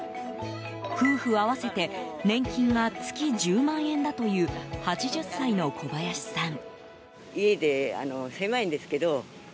夫婦合わせて年金が月１０万円だという８０歳の小林さん。